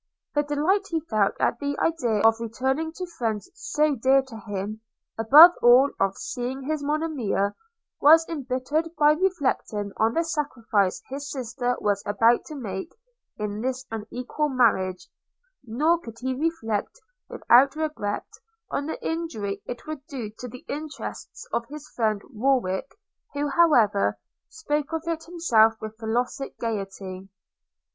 – The delight he felt at the idea of returning to friends so dear to him – above all, of seeing his Monimia, was embittered by reflecting on the sacrifice his sister was about to make in this unequal marriage; nor could he reflect without regret on the injury it would do to the interests of his friend Warwick, who, however, spoke of it himself with philosophic gaiety.